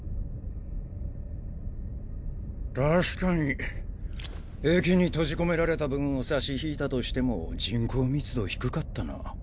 確かに駅に閉じ込められた分を差し引いたとしても人口密度低かったな。